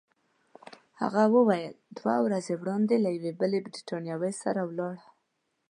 هغه وویل: دوه ورځې وړاندي له یوې بلې بریتانوۍ سره ولاړه.